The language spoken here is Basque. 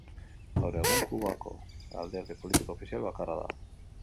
Gaur egun Kubako alderdi politiko ofizial bakarra da.